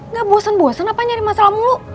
gak bosen bosen apa nyari masalah muluk